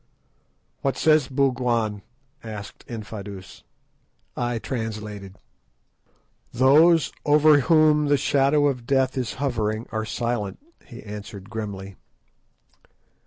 "What says Bougwan?" asked Infadoos. I translated. "Those over whom the shadow of Death is hovering are silent," he answered grimly.